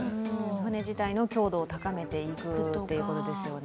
船自体の強度を高めていくということですよね。